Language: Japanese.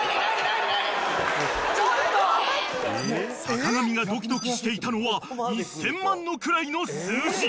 ［坂上がドキドキしていたのは１，０００万の位の数字］